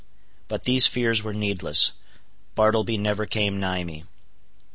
But these fears were needless. Bartleby never came nigh me.